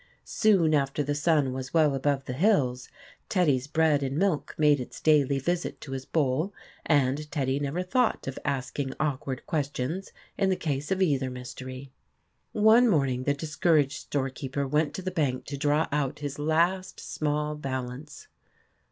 Soon after the sun was well above the hills, Teddy's bread and milk made its daily visit to his bowl, and Teddy never thought of asking awkward questions in the case of either mystery. One morning the discouraged store keeper went to the bank to draw out his last small balance.